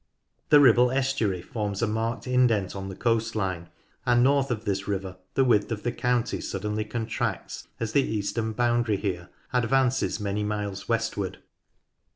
The Ribble estuary forms a marked indent on the coast line, and north of this river the width of the county suddenly contracts, as the eastern boundary here advances many miles westward.